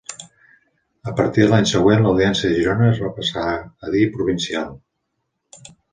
A partir de l'any següent, l'Audiència de Girona es va passar a dir provincial.